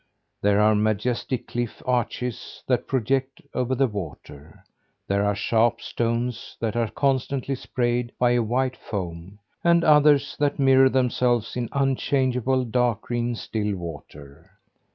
There are majestic cliff arches that project over the water. There are sharp stones that are constantly sprayed by a white foam; and others that mirror themselves in unchangeable dark green still water.